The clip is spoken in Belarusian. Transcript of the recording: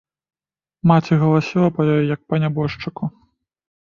Маці галасіла па ёй, як па нябожчыку.